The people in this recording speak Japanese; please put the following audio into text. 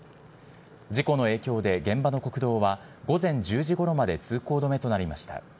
事故の影響で、現場の国道は午前１０時ごろまで通行止めとなりました。